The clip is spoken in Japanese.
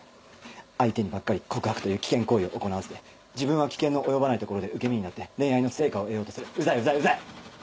相手にばっかり告白という危険行為を行わせて自分は危険の及ばない所で受け身になって恋愛の成果を得ようとするウザいウザいウザい！